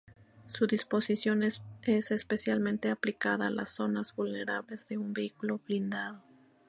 Su disposición es especialmente aplicada a las zonas vulnerables de un vehículo blindado.